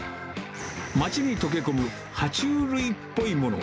街に溶け込むは虫類っぽいもの。